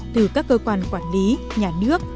từ các cơ quan quản lý nhà nước